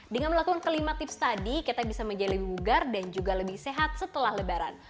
dengan melakukan kelima tips tadi kita bisa menjadi lebih bugar dan juga lebih sehat setelah lebaran